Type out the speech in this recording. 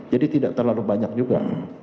jadi tidak terlalu banyak juga